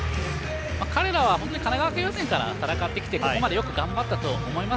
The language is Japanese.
彼らは神奈川県予選から戦ってきてここまでよく戦ったと思います。